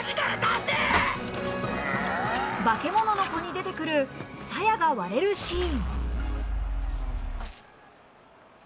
『バケモノの子』に出てくる鞘が割れるシーン。